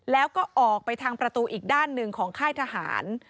แล้วก็ออกไปทางประตูอีกด้านหนึ่งของค่ายทหาร